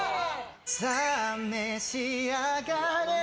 さあ召し上がれ。